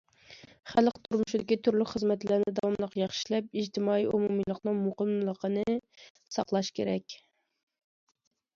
خەلق تۇرمۇشىدىكى تۈرلۈك خىزمەتلەرنى داۋاملىق ياخشى ئىشلەپ، ئىجتىمائىي ئومۇمىيلىقنىڭ مۇقىملىقىنى ساقلاش كېرەك.